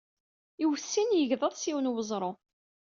Iwet sin yegḍaḍ s yiwen weẓru.